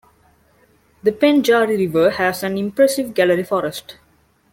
The Pendjari River has an impressive gallery forest.